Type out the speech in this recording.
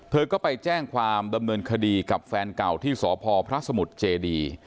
เธอก็ไปแจ้งความดำเนินคดีกับแฟนเก่าที่สพพระสมุทรเจดี